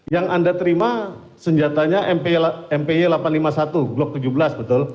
yang anda terima senjatanya mpy delapan ratus lima puluh satu blok tujuh belas betul